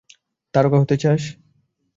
তারকা হতে চাস?